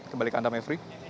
kembali ke anda maverick